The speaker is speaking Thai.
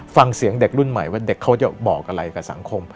ฟังเสียงเด็กรุ่นใหม่ว่าเด็กเขาจะบอกอะไรกับสังคม